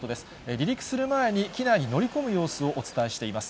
離陸する前に機内に乗り込む様子をお伝えしています。